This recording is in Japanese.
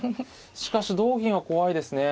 しかし同銀は怖いですね。